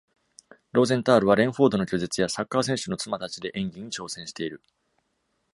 ローゼンタールは『レンフォードの拒絶』や『サッカー選手の妻たち』で演技に挑戦している。